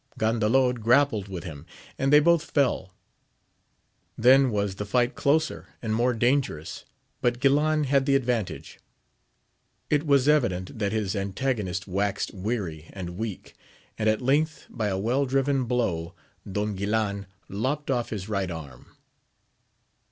Gandalod grappled with him, and they both fell ; then was the fight closer and more dangerous, but Guilan had t> advantage ; it was evident that his antagonist n 294 AMADIS OF GAUL. weary and weak, and at length by a well driven blow, Don Guilan lopt off his right arm.